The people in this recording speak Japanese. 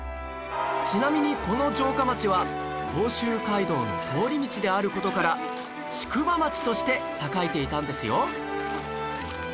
ちなみにこの城下町は甲州街道の通り道である事から宿場町として栄えていたんですよ